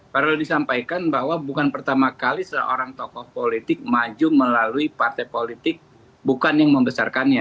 perlu disampaikan bahwa bukan pertama kali seorang tokoh politik maju melalui partai politik bukan yang membesarkannya